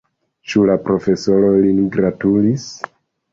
Ĉu la profesoro lin gratulis?